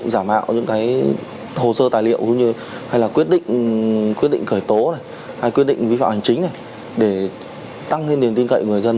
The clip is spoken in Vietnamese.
giả mạo những cái hồ sơ tài liệu hay là quyết định khởi tố này hay quyết định vi phạm hành chính này để tăng thêm tiền tin cậy người dân